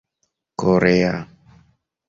korea